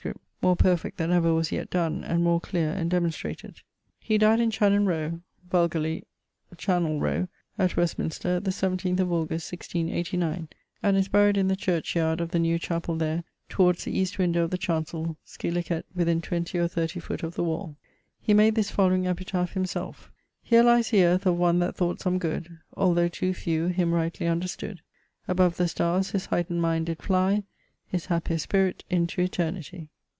more perfect than ever was yet donne, and more cleare and demonstrated. He dyed in Chanon row (vulgarly Channel rowe) at Westminster, the 17th of August 1689, and is buried in the church yard of the new chapell there towards the east window of the chancel, scilicet, within twenty or 30 foot of the wall. Hee made this following epitaph himself: 'Here lies the earth of one that thought some good, Although too few him rightly understood: Above the starres his heightned mind did flye, His hapier spirit into Eternity.'